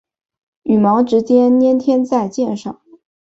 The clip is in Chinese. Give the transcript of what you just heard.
羽毛直接粘贴在箭身上。